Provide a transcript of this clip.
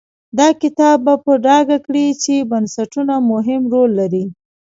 دا کتاب به په ډاګه کړي چې بنسټونه مهم رول لري.